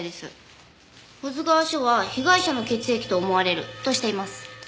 保津川署は「被害者の血液と思われる」としています。